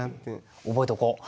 覚えとこう。